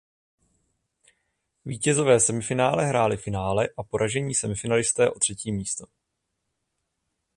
Vítězové semifinále hráli finále a poražení semifinalisté o třetí místo.